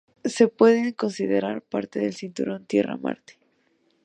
Se pueden considerar parte del cinturón Tierra-Marte.